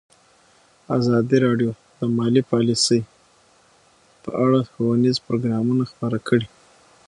ازادي راډیو د مالي پالیسي په اړه ښوونیز پروګرامونه خپاره کړي.